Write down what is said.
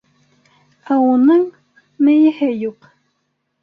Ә уның... мейеһе юҡ!